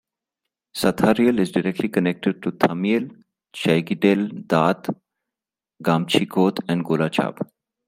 Sathariel is directly connected to Thamiel, Chaigidel, Da'at, Gamchicoth and Golachab.